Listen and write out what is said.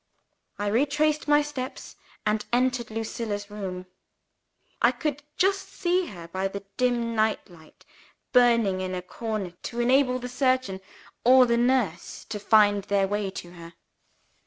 I retraced my steps, and entered Lucilla's room. I could just see her, by the dim night light burning in a corner to enable the surgeon or the nurse to find their way to her.